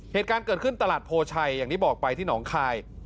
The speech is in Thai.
เหตุการณ์เกิดขึ้นตลาดโพชัยอย่างที่บอกไปที่หนองคาย